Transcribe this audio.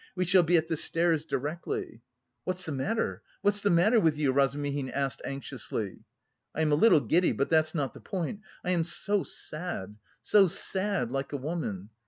we shall be at the stairs directly..." "What's the matter? What's the matter with you?" Razumihin asked anxiously. "I am a little giddy, but that's not the point, I am so sad, so sad... like a woman.